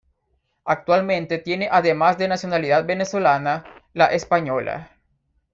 Actualmente tiene además de nacionalidad venezolana, la española.